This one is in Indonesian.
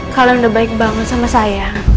kalian udah baik bangun sama saya